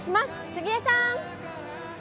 杉江さん。